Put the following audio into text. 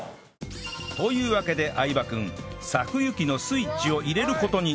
というわけで相葉くん搾油機のスイッチを入れる事に